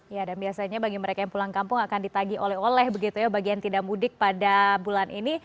ya dan biasanya bagi mereka yang pulang kampung akan ditagi oleh oleh begitu ya bagi yang tidak mudik pada bulan ini